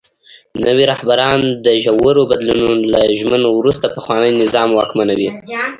نوي رهبران د ژورو بدلونونو له ژمنو وروسته پخواني نظام واکمنوي.